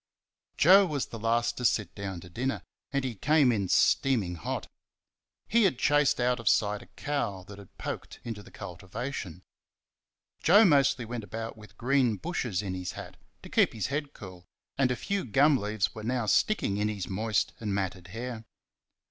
Joe was the last to sit down to dinner, and he came in steaming hot. He had chased out of sight a cow that had poked into the cultivation. Joe mostly went about with green bushes in his hat, to keep his head cool, and a few gum leaves were now sticking in his moist and matted hair.